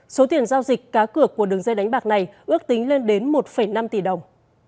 số tiền giao dịch cá cược của đường dây đánh bạc này ước tính lên đến một năm tỷ đồng